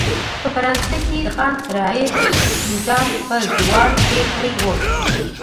په فرانسه کې د خان رعیت نظام په زوال پیل کړی و.